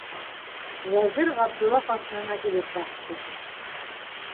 Вәзир Ғабдулла ҡаршыһына килеп баҫты: